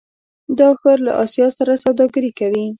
دا ښار له اسیا سره سوداګري کوي.